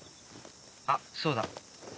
あっそうだ。